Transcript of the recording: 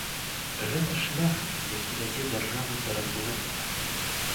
Гэта шлях, які вядзе дзяржаву да разбурэння.